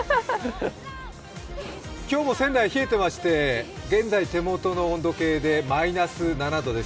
今日も仙台、冷えていまして現在、手元の温度計でマイナス７度です。